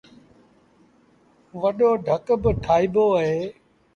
وڏو ڍڪ با ٺآئيٚبو اهي۔